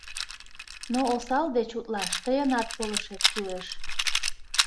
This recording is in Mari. Но осал деч утлаш тыйынат полышет кӱлеш.